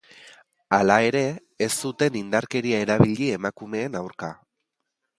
Hala ere, ez zuten indarkeria erabili emakumeen aurka.